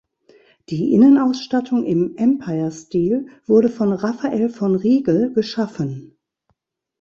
Die Innenausstattung im Empirestil wurde von Raphael von Rigel geschaffen.